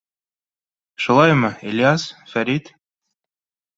Шулаймы, Ильяс, Фәрит?!